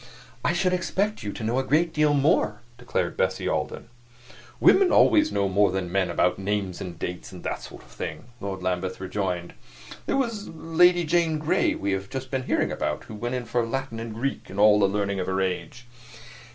"I should expect you to know a great deal more," declared Bessie Alden. "Women always know more than men about names and dates and that sort of thing," Lord Lambeth rejoined. "There was Lady Jane Grey we have just been hearing about, who went in for Latin and Greek and all the learning of her age."